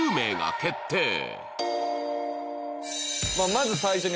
まず最初に